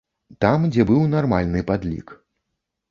Там, дзе быў нармальны падлік.